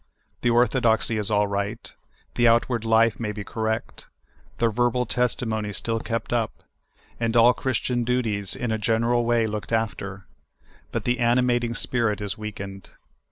The orthodoxy is all right ; the outward life may be cor rect ; the verbal testimony still kept up ; and all Chris tian duties in a general way looked after ; but the ani mating spirit is weakened.